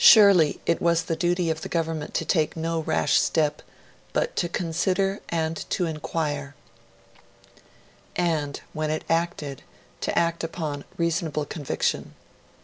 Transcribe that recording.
Surely, it was the duty of the Government to take no rash step, but to consider and to inquire, and, when it acted, to act upon reasonable conviction.